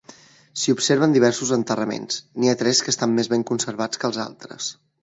S'hi observen diversos enterraments, n'hi ha tres que estan més ben conservats que els altres.